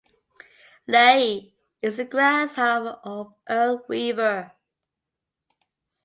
Leahy is the grandson of Earl Weaver.